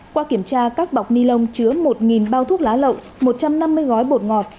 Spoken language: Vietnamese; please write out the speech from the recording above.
qua kiểm tra các bọc nilon chứa một bao thuốc lá lậu một trăm năm mươi gói bột ngọt